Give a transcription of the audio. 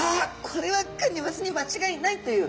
これはクニマスに間違いないという。